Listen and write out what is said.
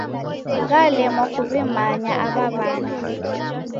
Ngalemwa kuw'imanya aw'a w'andu.